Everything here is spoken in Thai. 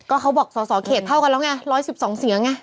เขาบอกสสเขตเท่ากันแล้วไง๑๑๒เสียงไง